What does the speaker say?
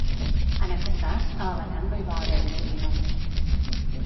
En aquest cas, a Alacant no hi va haver víctimes.